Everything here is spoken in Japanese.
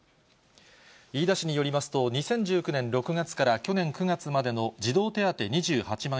飯田市によりますと、２０１９年６月から去年９月までの児童手当２８万